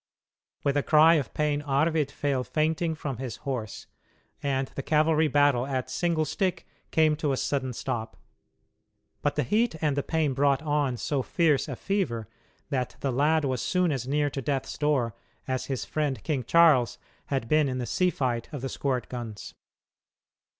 With a cry of pain Arvid fell fainting from his horse, and the cavalry battle at "single stick" came to a sudden stop. But the heat and the pain brought on so fierce a fever that the lad was soon as near to death's door as his friend King Charles had been in the sea fight of the squirt guns.